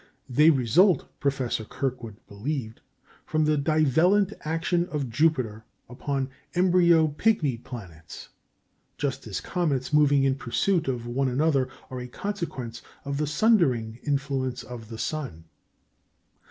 They result, Professor Kirkwood believed, from the divellent action of Jupiter upon embryo pigmy planets, just as comets moving in pursuit of one another are a consequence of the sundering influence of the sun.